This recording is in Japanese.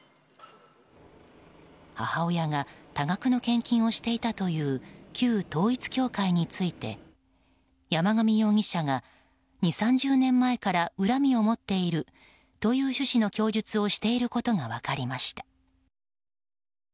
母親が多額の献金をしていたという旧統一教会について山上容疑者が２０３０年前から恨みを持っているという趣旨の供述をしていることが分かりました。